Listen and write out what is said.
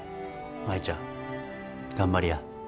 舞ちゃん頑張りや。